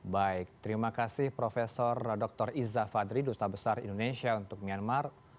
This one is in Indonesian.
baik terima kasih prof dr iza fadri duta besar indonesia untuk myanmar